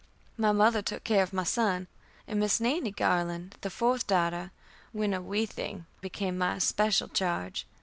My mother took care of my son, and Miss Nannie Garland, the fourth daughter, when a wee thing, became my especial charge.